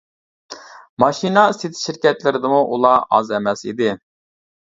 ماشىنا سېتىش شىركەتلىرىدىمۇ ئۇلار ئاز ئەمەس ئىدى.